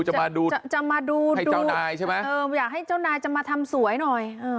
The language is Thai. จะมาดูให้ดูเจ้านายใช่ไหมเอออยากให้เจ้านายจะมาทำสวยหน่อย